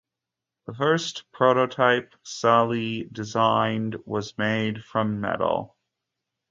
The first prototype Salli designed was made from metal.